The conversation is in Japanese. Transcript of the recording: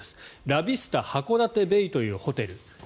ラビスタ函館ベイというホテル。